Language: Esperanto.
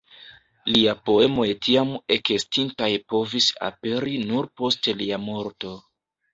Lia poemoj tiam ekestintaj povis aperi nur post lia morto.